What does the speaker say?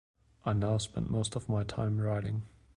I now spend most of my time writing.